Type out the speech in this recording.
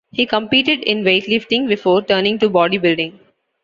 He competed in weightlifting before turning to bodybuilding.